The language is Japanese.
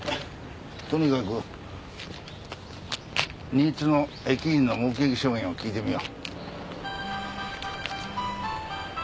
とにかく新津の駅員の目撃証言を聞いてみよう。